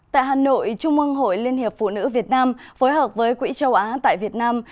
tại hà nội trung ương hội liên hiệp phụ nữ việt nam phối hợp với quỹ châu á tại việt nam